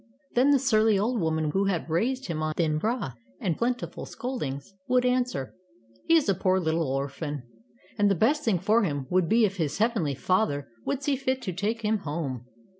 Then the surly old woman who had raised him on thin broth and plentiful scoldings, would answer, "He is a poor little orphan, and the best thing for him would be if his Heavenly Father would see fit to take him home."